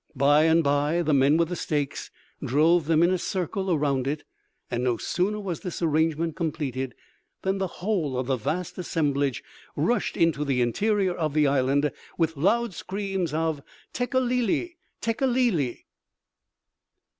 By and by the men with the stakes drove them in a circle around it, and no sooner was this arrangement completed, than the whole of the vast assemblage rushed into the interior of the island, with loud screams of "Tekeli li! Tekeli li!"